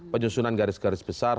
penyusunan garis garis besar